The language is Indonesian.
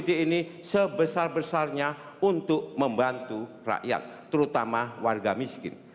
kita harus memiliki keuntungan besar besarnya untuk membantu rakyat terutama warga miskin